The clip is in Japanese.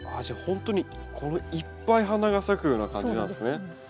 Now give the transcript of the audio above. じゃあほんとにいっぱい花が咲くような感じなんですね。